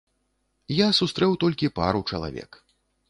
Я сустрэў толькі пару чалавек.